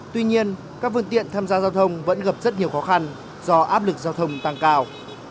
tuy nhiên các phương tiện tham gia giao thông vẫn gặp rất nhiều khó khăn do áp lực giao thông tăng cao